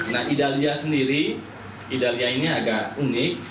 nah idalia sendiri idalia ini agak unik